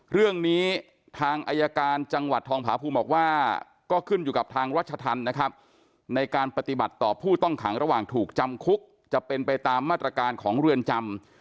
เรื่องนี้ทางอายการจังหวัดทองผาภูมิบอกว่าก็ขึ้นอยู่กับทางรัชธรรมนะครับในการปฏิบัติต่อผู้ต้องขังระหว่างถูกจำคุกจะเป็นไปตามมาตรการของเรือนจำ